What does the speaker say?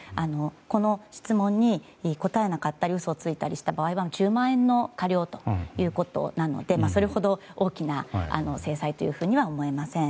この質問に答えなかったり嘘をついた場合は１０万円の科料ということなのでそれほど大きな制裁というふうには思えません。